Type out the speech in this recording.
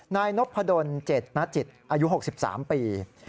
นายนพดล๗นจิตอายุ๖๓ปี